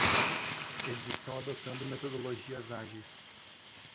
Eles estão adotando metodologias ágeis.